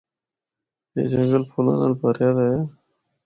اے جنگل پھُلاں نال بھریا دا اے۔